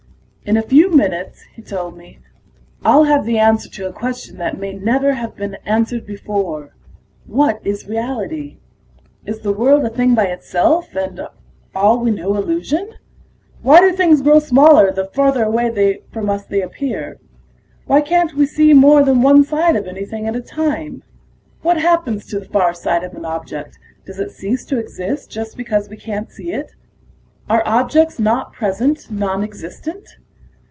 "In a few minutes," he told me, "I'll have the answer to a question that may never have been answered before: what is reality? Is the world a thing by itself, and all we know illusion? Why do things grow smaller the farther away from us they appear? Why can't we see more than one side of anything at a time? What happens to the far side of an object; does it cease to exist just because we can't see it? Are objects not present nonexistent?